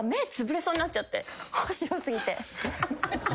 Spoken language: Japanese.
歯白過ぎて。